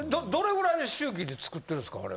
どれぐらいの周期で作ってるんですか？